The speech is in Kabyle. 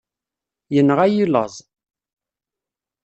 Yenɣa-yi laẓ.